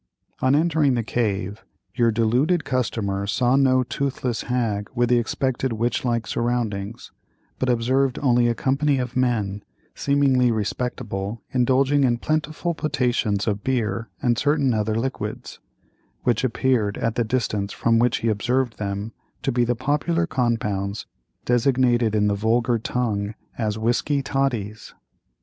On entering the "Cave," your deluded customer saw no toothless hag with the expected witch like surroundings, but observed only a company of men, seemingly respectable, indulging in plentiful potations of beer and certain other liquids, which appeared, at the distance from which he observed them, to be the popular compounds designated in the vulgar tongue as "whiskey toddies."